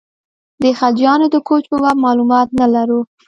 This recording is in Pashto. د خلجیانو د کوچ په باب معلومات نه لرو.